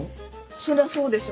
そりゃそうでしょ。